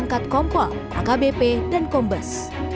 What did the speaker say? angkat kompol akbp dan kombes